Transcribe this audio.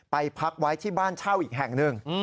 พักไว้ที่บ้านเช่าอีกแห่งหนึ่ง